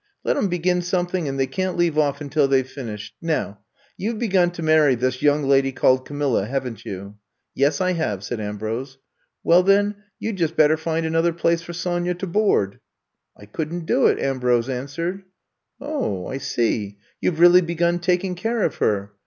Let 'em be gin something and they can't leave off un til they 've finished. Now, you 've begun to marry this young lady called Gambia, haven't you?" Yes, I have," said Ambrose. Well, then, you 'd just better find another place for Sonya to board. '' *^I couldn't do it," Ambrose answered. '* Oh, I see — ^you 've really begun taking care of her.